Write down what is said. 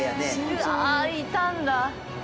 うわ、いたんだ。